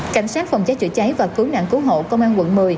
cảnh sát phòng cháy chữa cháy và cứu nạn cứu hộ công an quận một mươi